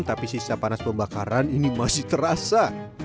tapi sisa panas pembakaran ini masih terasa